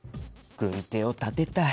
軍手を立てたい。